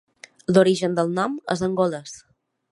L'origen del nom és angolès.